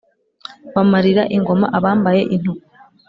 bamarira ingoma abambaye intuku,